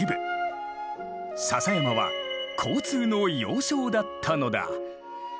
篠山は交通の要衝だったのだ。